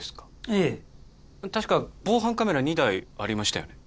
ええ確か防犯カメラ２台ありましたよね